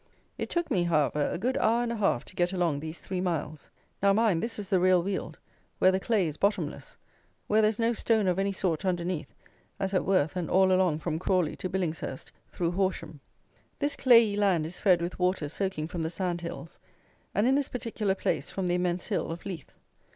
It took me, however, a good hour and a half to get along these three miles. Now, mind, this is the real weald, where the clay is bottomless; where there is no stone of any sort underneath, as at Worth and all along from Crawley to Billingshurst through Horsham. This clayey land is fed with water soaking from the sand hills; and in this particular place from the immense hill of Leith.